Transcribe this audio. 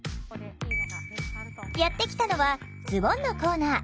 やって来たのはズボンのコーナー。